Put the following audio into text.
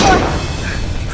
aduh aduh aduh